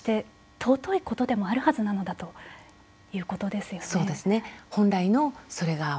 尊いことでもあるはずなのだということですよね。